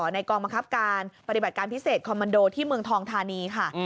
ในกองบังคับการปฏิบัติการพิเศษคอมมันโดที่เมืองทองธานีค่ะ